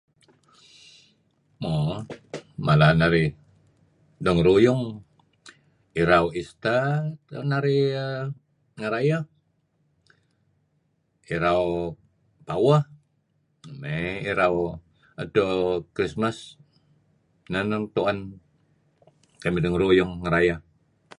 Mo mala narih dengeruyung irau Easter narih err ngerayeh , irau paweh. mey irau edto Christmas inah nuk tu'en kamih dengeruyung ngerayeh.